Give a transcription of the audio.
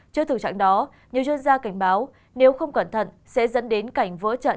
trước thử trạng đó nhiều dân gia cảnh báo nếu không cẩn thận sẽ dẫn đến cảnh vỡ trận